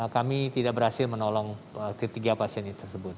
kami tidak berhasil menolong ketiga pasien tersebut